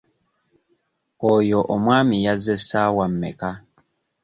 Oyo omwami yazze ssaawa mmeka?